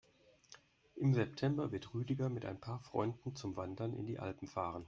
Im September wird Rüdiger mit ein paar Freunden zum Wandern in die Alpen fahren.